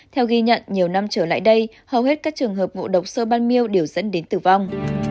theo ghi nhận nhiều năm trở lại đây hầu hết các trường hợp ngộ độc sơ ban miêu đều dẫn đến tử vong